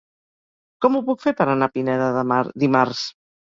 Com ho puc fer per anar a Pineda de Mar dimarts?